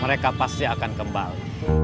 mereka pasti akan kembali